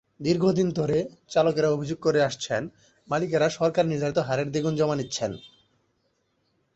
দীর্ঘদিন ধরে চালকেরা অভিযোগ করে আসছেন, মালিকেরা সরকারনির্ধারিত হারের দ্বিগুণ জমা নিচ্ছেন।